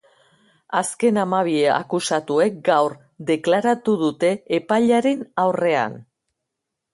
Azken hamabi akusatuek gaur deklaratu dute epailearen aurrean.